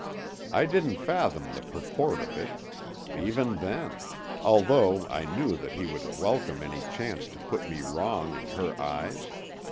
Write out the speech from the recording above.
"I didn't fathom the purport of it, even then—although I knew that he would welcome any chance to put me wrong in her eyes.